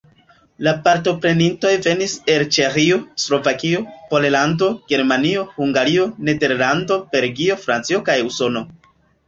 La partoprenintoj venis el Ĉeĥio, Slovakio, Pollando, Germanio, Hungario, Nederlando, Belgio, Francio kaj Usono.